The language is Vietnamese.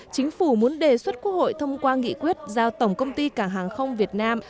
chính phủ muốn đề xuất quốc hội thông qua nghị quyết giao tổng công ty cảng hàng không việt nam